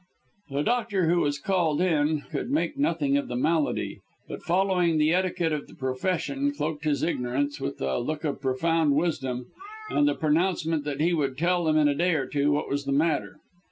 The doctor, who was called in, could make nothing of the malady, but, following the etiquette of the profession, cloaked his ignorance with a look of profound wisdom, and the pronouncement that he would tell them, in a day or two, what was the matter.